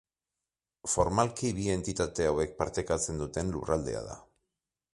Formalki bi entitate hauek partekatzen duten lurraldea da.